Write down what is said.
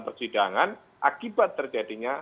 persidangan akibat terjadinya